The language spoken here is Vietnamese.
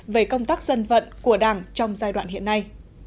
về công tác dân vận của đảng trong giai đoạn hiện nay